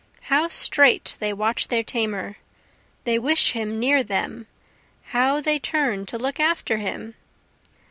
How straight they watch their tamer they wish him near them how they turn to look after him!